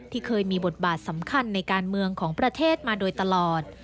เคยมีบทบาทสำคัญในการเมืองของประเทศมาโดยตลอด